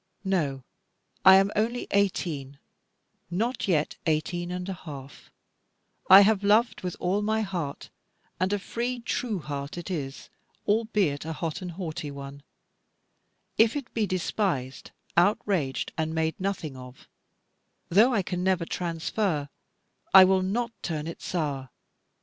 No; I am only eighteen, not yet eighteen and a half; I have loved with all my heart, and a free true heart it is, albeit a hot and haughty one; if it be despised, outraged, and made nothing of, though I can never transfer, I will not turn it sour.